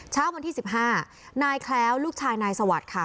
เช้าวันที่๑๕นายแคล้วลูกชายนายสวัสดิ์ค่ะ